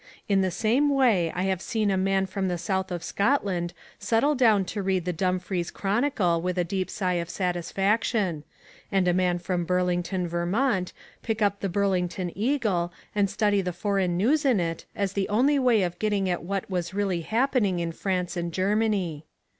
In the same way I have seen a man from the south of Scotland settle down to read the Dumfries Chronicle with a deep sigh of satisfaction: and a man from Burlington, Vermont, pick up the Burlington Eagle and study the foreign news in it as the only way of getting at what was really happening in France and Germany.